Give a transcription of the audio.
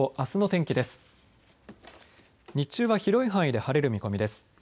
日中は広い範囲で晴れる見込みです。